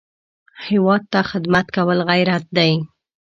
هېواد ته خدمت کول غیرت دی